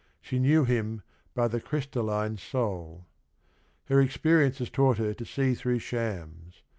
She knew him "by the crystalline soul." Her experience has taught her to see through shams.